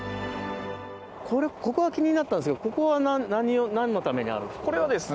これここが気になったんですけどここは何のためにあるんですか？